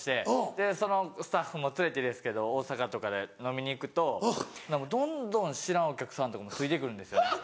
でそのスタッフも連れてですけど大阪とかで飲みに行くとどんどん知らんお客さんとかもついて来るんですよね。